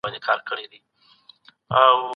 نوی نسل بايد د تېرو تنظيمونو تاريخ وڅېړي.